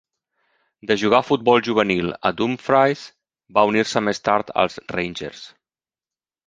De jugar futbol juvenil a Dumfries, va unir-se més tard als Rangers.